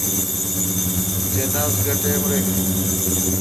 جناز گہ ٹئم رل این۔